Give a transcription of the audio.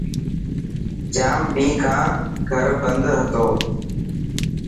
ڄام ڏينهن کان گهر بندو هتو.